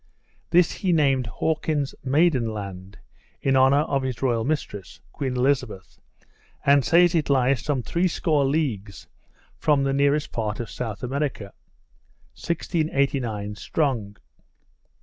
This he named Hawkins's Maiden Land, in honour of his royal mistress, Queen Elizabeth, and says it lies some threescore leagues from the nearest part of South America. 1689 Strong.